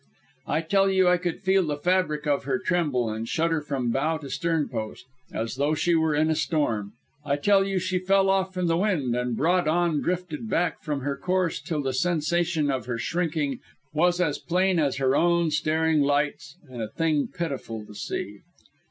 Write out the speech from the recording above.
I tell you I could feel the fabric of her tremble and shudder from bow to stern post, as though she were in a storm; I tell you she fell off from the wind, and broad on drifted back from her course till the sensation of her shrinking was as plain as her own staring lights and a thing pitiful to see.